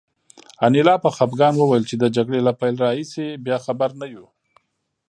انیلا په خپګان وویل چې د جګړې له پیل راهیسې بیا خبر نه یو